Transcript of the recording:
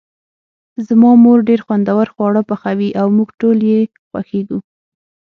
زما مور ډیر خوندور خواړه پخوي او موږ ټول یی خوښیږو